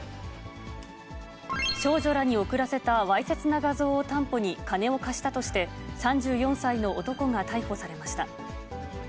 少女らに送らせたわいせつな画像を担保に金を貸したとして、３４歳の男が逮捕されました。